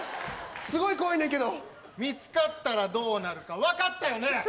すごい怖いねんけど見つかったらどうなるか分かったよね！？